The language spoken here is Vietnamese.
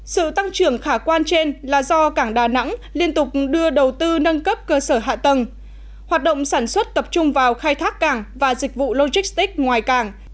sự tăng trưởng khả quan trên là do cảng đà nẵng liên tục đưa đầu tư nâng cấp cơ sở hạ tầng hoạt động sản xuất tập trung vào khai thác cảng và dịch vụ logistics ngoài cảng